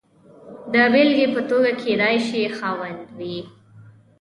د بېلګې په توګه کېدای شي خاوند وي.